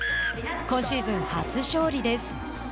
今シーズン初勝利です。